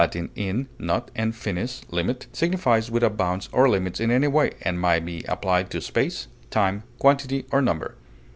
in, not, and finis, limit) signifies without bounds or limits in any way, and may be applied to space, time, quantity, or number.